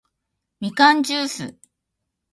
みかんじゅーす